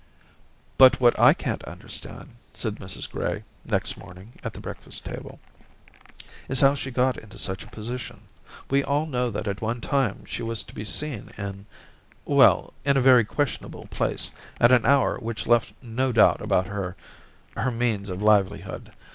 ... •But what I can't understand,' said Mrs Gray, next morning, at the breakfast table, * is how she got into such a position. We all know that at one time she was to be seen in — well, in a very questionable place, at an hour which left no doubt about her — ^her means of livelihood.